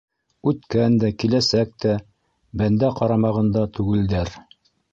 Үткән дә, киләсәк тә бәндә ҡарамағында түгелдәр...